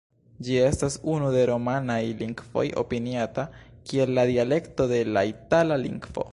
Ĝi estas unu de romanaj lingvoj opiniata kiel la dialekto de la itala lingvo.